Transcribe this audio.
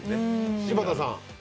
柴田さん